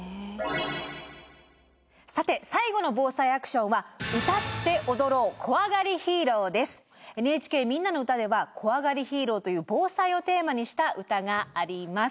さて最後の「ＮＨＫみんなのうた」では「こわがりヒーロー」という防災をテーマにした歌があります。